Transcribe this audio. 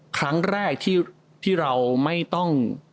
ครั้งแรกที่เราไม่ต้อง